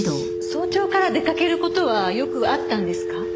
早朝から出かける事はよくあったんですか？